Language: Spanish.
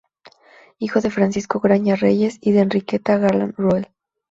Hijo de Francisco Graña Reyes y de Enriqueta Garland Roel.